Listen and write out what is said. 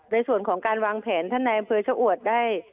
ในส่วนของการวางแผนท่านนายอำเภอชะอวดได้